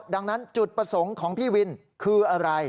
ดังนั้นจุดประสงค์ของพี่วินคืออะไร